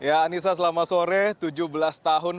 anissa selamat sore tujuh belas tahun